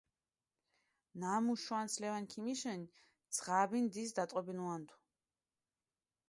ნამუ შვანს ლევანი ქიმიშუნი, ძღაბი ნდის დატყობინუანდუ.